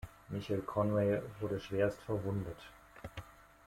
Michael Conway wurde schwerst verwundet.